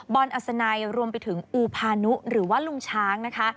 อัศนัยรวมไปถึงอูพานุหรือว่าลุงช้างนะคะ